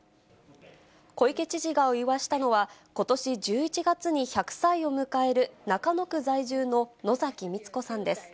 小池知事がお祝いしたのは、ことし１１月に１００歳を迎える中野区在住の野崎光子さんです。